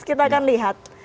kita akan lihat